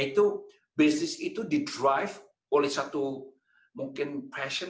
yaitu bisnis itu didrive oleh satu mungkin pasien